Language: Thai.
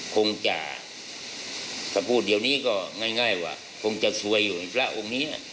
คงจะถ้าพูดเดี๋ยวนี้ก็ง่ายว่าคงจะซวยอยู่ไอ้พระองค์นี้